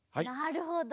なるほど。